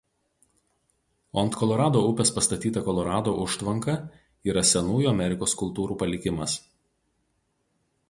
O ant Kolorado upės pastatyta Kolorado užtvanka yra senųjų Amerikos kultūrų palikimas.